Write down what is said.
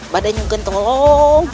badannya ganteng tolong